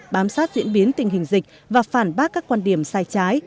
bám sát diễn biến tình hình dịch và phản bác các quan điểm sai trái